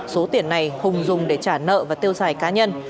số tiền này hùng dùng để trả nợ và tiêu xài cá nhân